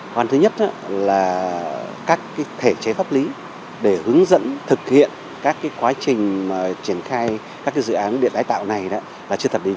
hoàn thứ nhất là các thể chế pháp lý để hướng dẫn thực hiện các quá trình triển khai các dự án điện tái tạo này là chưa thật định